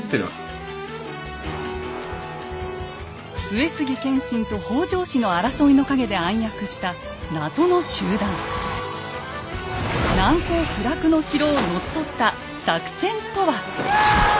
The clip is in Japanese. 上杉謙信と北条氏の争いの陰で暗躍した難攻不落の城を乗っ取った作戦とは？